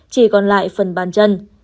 chỉ còn lại phần bàn chân